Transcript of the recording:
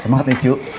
semangat ya cuk